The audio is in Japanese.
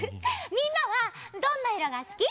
みんなはどんないろがすき？